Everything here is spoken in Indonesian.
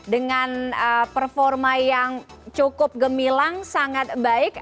dengan performa yang cukup gemilang sangat baik